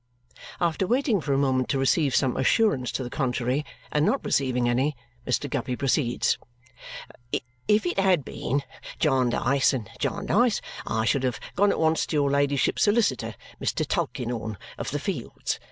After waiting for a moment to receive some assurance to the contrary, and not receiving any, Mr. Guppy proceeds, "If it had been Jarndyce and Jarndyce, I should have gone at once to your ladyship's solicitor, Mr. Tulkinghorn, of the Fields.